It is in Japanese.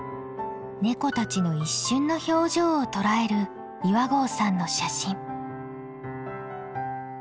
ネコたちの一瞬の表情を捉える岩合さんの写真。